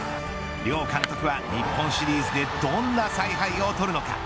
両監督は日本シリーズでどんな采配を取るのか。